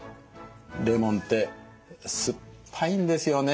レモンって酸っぱいんですよね。